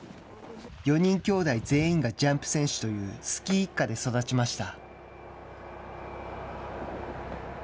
４人きょうだい全員がジャンプ選手というスキー一家で育ちました。